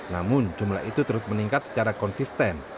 namun jumlah itu terus meningkat secara konsisten